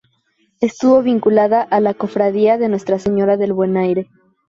Estuvo vinculada a la Cofradía de Nuestra Señora del Buen Aire.